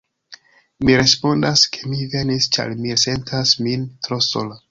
Mi respondas, ke mi venis ĉar mi sentas min tro sola.